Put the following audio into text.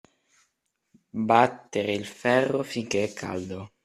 Battere il ferro finché è caldo.